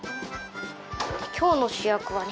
今日の主役はね